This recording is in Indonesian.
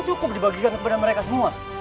cukup dibagikan kepada mereka semua